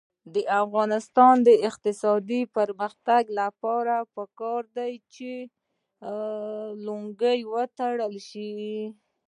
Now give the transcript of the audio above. د افغانستان د اقتصادي پرمختګ لپاره پکار ده چې لونګۍ وتړل شي.